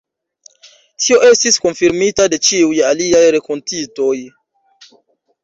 Tio estis konfirmita de ĉiuj aliaj renkontitoj.